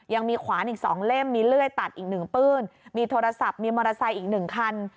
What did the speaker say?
ยังมีขวานอีก๒เล่มมีเลื่อยตัดอีก๑ปื้นมีโทรศัพท์มีมอเตอร์ไซค์อีก๑คัน